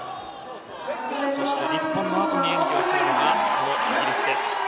そして日本のあとに演技をするのがイギリスです。